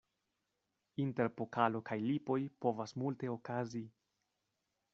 Inter pokalo kaj lipoj povas multe okazi.